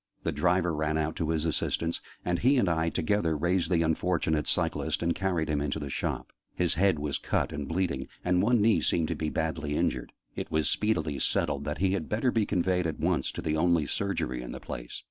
The driver ran out to his assistance, and he and I together raised the unfortunate cyclist and carried him into the shop. His head was cut and bleeding; and one knee seemed to be badly injured; and it was speedily settled that he had better be conveyed at once to the only Surgery in the place.